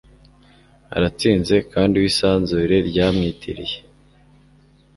Aratsinze Kandi we isanzure ryamwitiriye